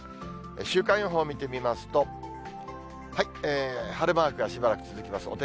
週間予報を見てみますと、晴れマークがしばらく続きます。